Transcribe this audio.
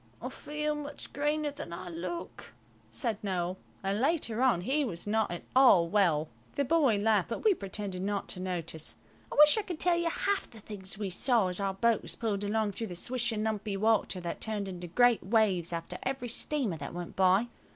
"I feel much greener than I look," said Noël. And later on he was not at all well. The boy laughed, but we pretended not to notice. I wish I could tell you half the things we saw as our boat was pulled along through the swishing, lumpy water that turned into great waves after every steamer that went by.